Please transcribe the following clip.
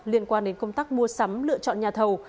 liên quan đến công tác mua sắm lựa chọn nhà thầu